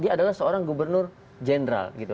dia adalah seorang gubernur jeneral